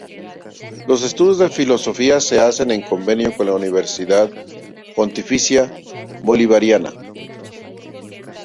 Los estudios de Filosofía se hacen en convenio con la Universidad Pontificia Bolivariana.